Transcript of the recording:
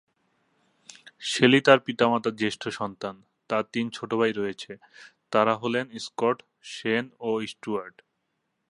Shelley তার পিতামাতার জ্যেষ্ঠ সন্তান, তার তিন ছোট ভাই রয়েছে, তারা হলেন স্কট, শেন, ও স্টুয়ার্ট।